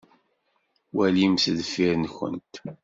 Walimt deffir-nkent.